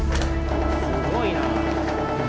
すごいな！